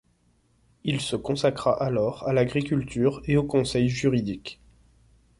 Il se consacra alors à l'agriculture et aux conseils juridiques.